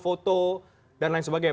foto dan lain sebagainya